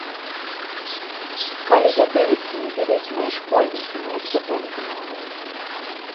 Калі гэтыя ісціны ведаюць мае школьнікі, мае студэнты нават!